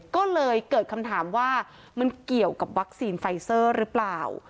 ก็เลยเกิดคำถามว่ามันเกี่ยวกับวัคซีนไฟเซอร์หรือเปล่า